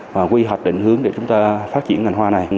và quy hoạch định hướng để chúng ta phát triển ngành hoa này